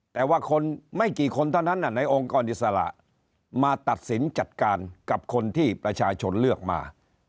แต่ว่าคนไม่กี่คนเท่านั้นในองค์กรอิสระมาตัดสินจัดการกับคนที่ประชาชนเลือกมา